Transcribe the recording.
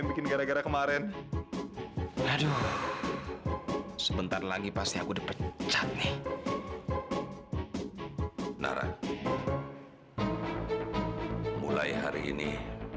bikin gara gara kemarin aduh sebentar lagi pasti aku dapat cantik nara mulai hari ini